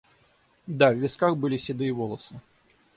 Да, в висках были седые волосы.